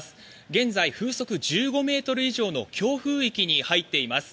現在、風速１５ｍ以上の強風域に入っています。